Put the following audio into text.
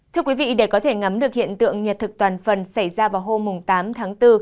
thưa quý vị để có thể ngắm được hiện tượng nhật thực toàn phần xảy ra vào hôm tám tháng bốn